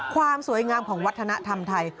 ความสวยงามของวัฒนธรรมไทย